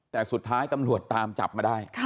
แต่สุดท้ายตำรวจตามจับมาได้